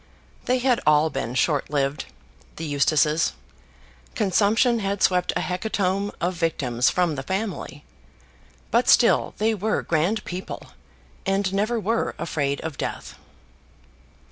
They had all been short lived, the Eustaces. Consumption had swept a hecatomb of victims from the family. But still they were grand people, and never were afraid of death.